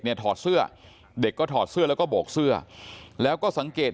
ถอดเสื้อเด็กก็ถอดเสื้อแล้วก็โบกเสื้อแล้วก็สังเกต